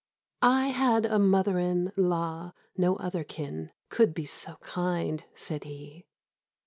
I had a mother in Law; no other kin Could be so kind, said He!